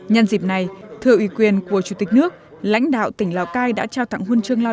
nhân dịp này thưa ủy quyền của chủ tịch nước lãnh đạo tỉnh lào cai đã trao tặng huân chương lao